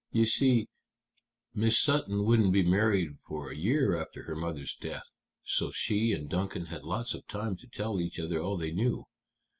You see, Miss Sutton wouldn't be married for a year after her mother's death, so she and Duncan had lots of time to tell each other all they knew.